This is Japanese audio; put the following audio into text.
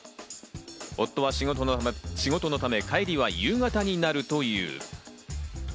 夫は仕事のため、帰りは夕方になるという。